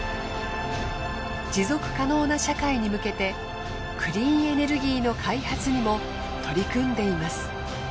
持続可能な社会に向けてクリーンエネルギーの開発にも取り組んでいます。